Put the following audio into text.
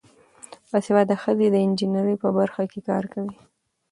باسواده ښځې د انجینرۍ په برخه کې کار کوي.